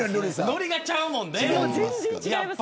ノリがちゃうもんね。